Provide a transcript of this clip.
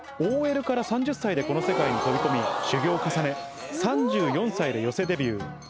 ＯＬから３０歳でこの世界に飛び込み修業を重ね３４歳で寄席デビュー。